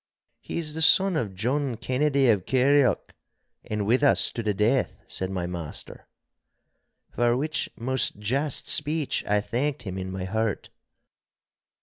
'He is the son of John Kennedy of Kirrieoch, and with us to the death,' said my master. For which most just speech I thanked him in my heart.